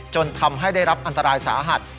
จนทำให้ได้รับอันตรายสาหัส